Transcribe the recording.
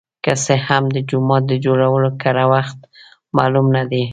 که څه هم د جومات د جوړولو کره وخت معلوم نه دی.